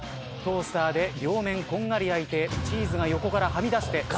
トースターで両面こんがり焼いてチーズが横からはみ出して。